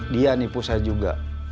dia nipu saya juga